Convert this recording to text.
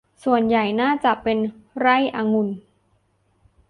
ส่วนใหญ่น่าจะเป็นไร่องุ่น